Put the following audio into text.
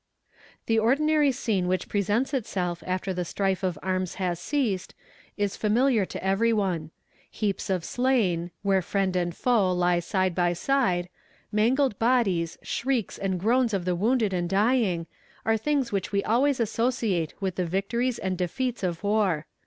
The ordinary scene which presents itself after the strife of arms has ceased, is familiar to every one. Heaps of slain, where friend and foe lie side by side, mangled bodies, shrieks and groans of the wounded and dying, are things which we always associate with the victories and defeats of war.